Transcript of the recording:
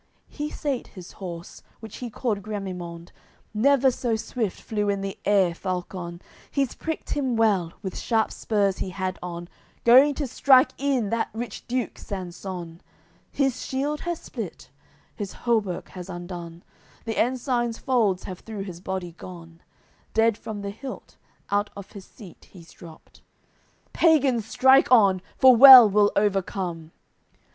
He sate his horse, which he called Gramimond, Never so swift flew in the air falcon; He's pricked him well, with sharp spurs he had on, Going to strike e'en that rich Duke, Sanson; His shield has split, his hauberk has undone, The ensign's folds have through his body gone, Dead from the hilt out of his seat he's dropt: "Pagans, strike on, for well we'll overcome!"